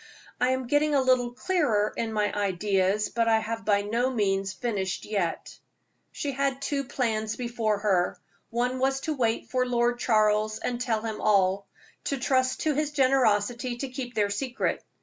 "I am getting a little clearer in my ideas, but I have by no means finished yet." She had two plans before her. One was to wait for Lord Charles and tell him all to trust to his generosity to keep their secret.